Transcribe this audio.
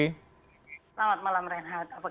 selamat malam renhard